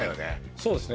そうですね